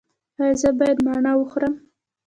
ایا زه باید مڼه وخورم؟